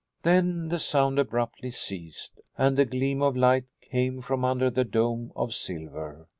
Then the sound abruptly ceased and a gleam of light came from under the dome of silver.